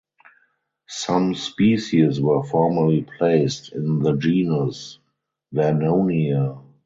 Some species were formerly placed in the genus "Vernonia".